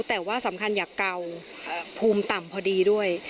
แต่ว่าสำคัญอยากเก่าภูมิต่ำพอดีด้วย